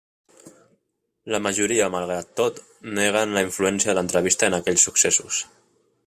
La majoria, malgrat tot, neguen la influència de l'entrevista en aquells successos.